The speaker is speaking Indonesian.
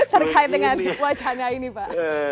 terkait dengan wacana ini pak